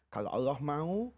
kalau allah mau